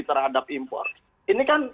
terhadap impor ini kan